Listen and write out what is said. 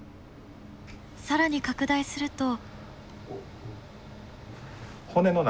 更に拡大すると。